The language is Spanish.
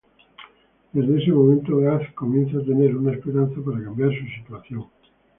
Desde este momento, Gaz comienza a tener una esperanza para cambiar su situación.